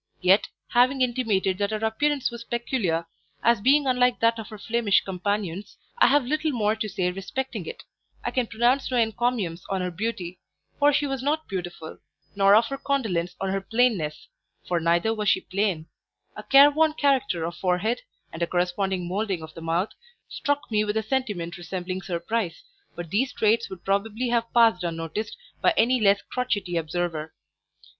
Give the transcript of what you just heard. Yet, having intimated that her appearance was peculiar, as being unlike that of her Flemish companions, I have little more to say respecting it; I can pronounce no encomiums on her beauty, for she was not beautiful; nor offer condolence on her plainness, for neither was she plain; a careworn character of forehead, and a corresponding moulding of the mouth, struck me with a sentiment resembling surprise, but these traits would probably have passed unnoticed by any less crotchety observer.